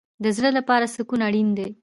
د زړه لپاره سکون اړین دی